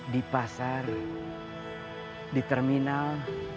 di pasar di terminal